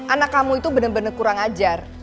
anak kamu itu bener bener kurang ajar